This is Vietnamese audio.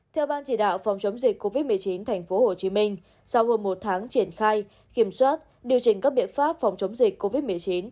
theo ban chỉ đạo phòng chống dịch covid một mươi chín tp hcm sau hơn một tháng triển khai kiểm soát điều chỉnh các biện pháp phòng chống dịch covid một mươi chín